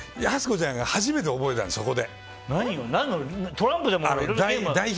靖子ちゃんが初めて覚えたの、そこで。